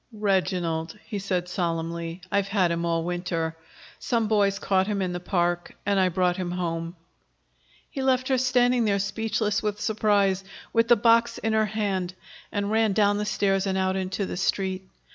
"Reginald," he said solemnly. "I've had him all winter. Some boys caught him in the park, and I brought him home." He left her standing there speechless with surprise, with the box in her hand, and ran down the stairs and out into the Street.